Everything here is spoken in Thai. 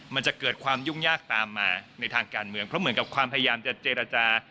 มันจะเกิดความยุ่งยากตามมาในทางการเมืองเพราะเหมือนกับความพยายามจะเจรจา